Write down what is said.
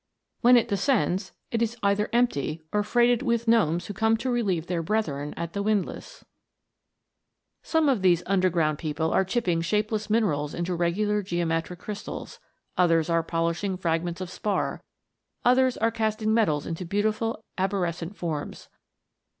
When it descends, it is either empty or freighted with gnomes who come to relieve their brethren at the windlass. Some of these under ground people are chipping shapeless minerals into regular geometric crystals ; others are polishing fragments of spar; others are casting metals into beautiful arborescent forms.